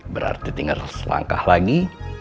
berarti tinggal selangkah lagi